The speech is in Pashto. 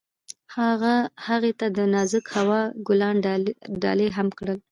هغه هغې ته د نازک هوا ګلان ډالۍ هم کړل.